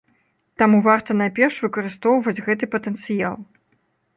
Таму варта найперш выкарыстоўваць гэты патэнцыял.